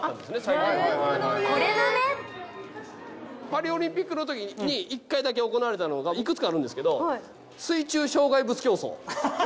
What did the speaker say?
パリオリンピックのときに１回だけ行われたのが幾つかあるんですけど水中障害物競走。